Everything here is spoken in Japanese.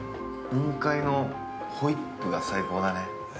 ◆雲海のホイップが最高だね。